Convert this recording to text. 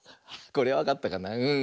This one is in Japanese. あこれわかったかな？